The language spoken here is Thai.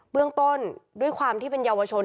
เรื่องต้นด้วยความที่เป็นเยาวชน